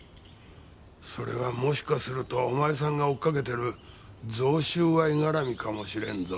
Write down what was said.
それはもしかするとお前さんが追っかけてる贈収賄絡みかもしれんぞ。